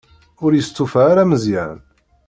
Ur yestufa ara Meẓyan.